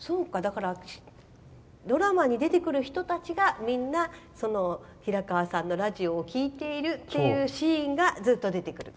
ドラマに出てくる人たちがみんな平川さんのラジオを聞いているっていうシーンがずっと出てくると。